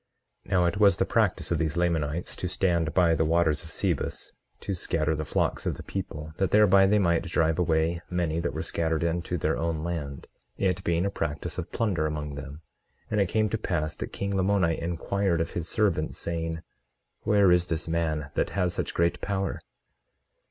18:7 Now it was the practice of these Lamanites to stand by the waters of Sebus to scatter the flocks of the people, that thereby they might drive away many that were scattered unto their own land, it being a practice of plunder among them. 18:8 And it came to pass that king Lamoni inquired of his servants, saying: Where is this man that has such great power?